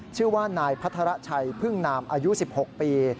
ชื่อว่านายพัทรชัยพึ่งนามอายุ๑๖ปี